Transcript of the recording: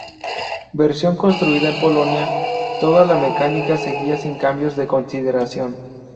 Versión construida en Polonia, toda la mecánica seguía sin cambios de consideración.